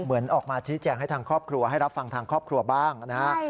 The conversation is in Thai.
เหมือนออกมาชี้แจงให้ทางครอบครัวให้รับฟังทางครอบครัวบ้างนะฮะ